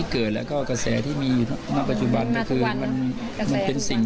กระแสมีผ้าวิจารณ์ในฝั่งนี้ครับลุง